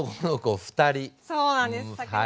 そうなんです昨年。